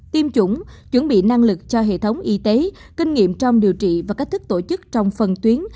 tiêm chủng chuẩn bị năng lực cho hệ thống y tế kinh nghiệm trong điều trị và cách thức tổ chức trong phần tuyến